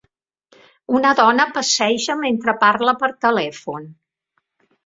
Una dona passeja mentre parla per telèfon.